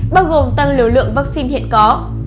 bao gồm tăng liều lượng vắc xin hiện có